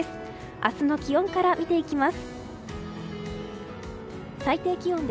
明日の気温から見ていきます。